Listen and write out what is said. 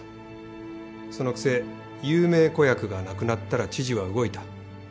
そのくせ有名子役が亡くなったら知事は動いた。